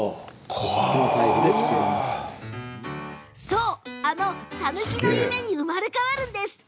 そう、あのさぬきの夢に生まれ変わるんです。